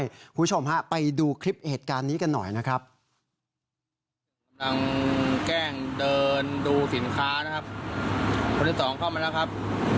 คุณผู้ชมไปดูคลิปเหตุการณ์นี้กันหน่อยนะครับ